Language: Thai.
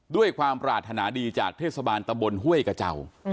ด้วยความปรารถนาดีจากเทศบาลตะบนห้วยกระเจ้า